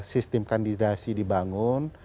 sistem kandidasi dibangun